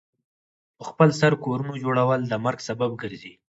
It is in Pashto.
پخپل سر کورونو جوړول د مرګ سبب ګرځي.